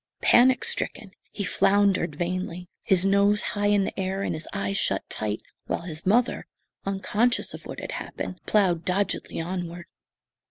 Panic stricken, he floundered vainly, his nose high in the air and his eyes shut tight, while his mother, unconscious of what had happened, ploughed doggedly onward.